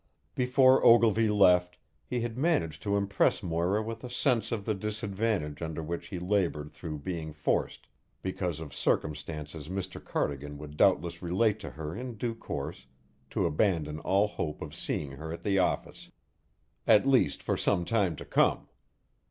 Before Ogilvy left, he had managed to impress Moira with a sense of the disadvantage under which he laboured through being forced, because of circumstances Mr. Cardigan would doubtless relate to her in due course, to abandon all hope of seeing her at the office at least for some time to come.